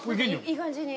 いい感じに。